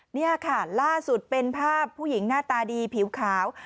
นี่ค่ะล่าสุดเป็นภาพผู้หญิงหน้าตาดีผิวขาว